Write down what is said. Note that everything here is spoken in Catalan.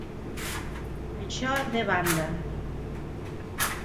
Això de banda.